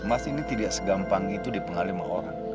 mas ini tidak segampang itu dipengalih sama orang